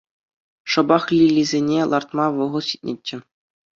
Шӑпах лилисене лартма вӑхӑт ҫитнӗччӗ.